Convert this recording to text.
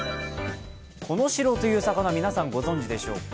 コノシロという魚、皆さんご存じでしょうか。